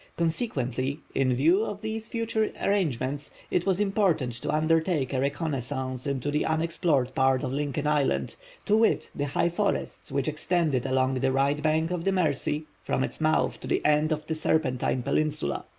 Consequently, in view of these future arrangements, it was important to undertake a reconnoissance into the unexplored part of Lincoln Island, to wit:—the high forests which extended along the right bank of the Mercy, from its mouth to the end of Serpentine Peninsula.